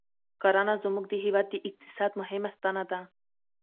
کرنه زموږ د هېواد د اقتصاد مهمه ستنه ده